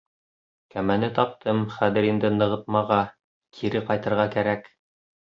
Кәмәне таптым, хәҙер инде нығытмаға кире ҡайтырға кә-рәк.